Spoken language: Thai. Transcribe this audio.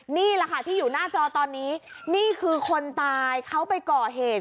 นี่แหละค่ะที่อยู่หน้าจอตอนนี้นี่คือคนตายเขาไปก่อเหตุ